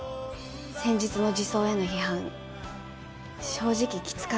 先日の児相への批判正直きつかったですけど。